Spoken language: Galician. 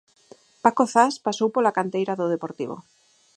Paco Zas pasou pola canteira do Deportivo.